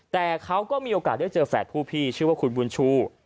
แต่เขาก็มีโอกาสได้เจอแฝดผู้พี่ชื่อว่าคุณบุญชู